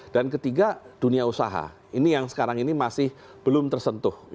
dan ketiga dunia usaha ini yang sekarang ini masih belum tersentuh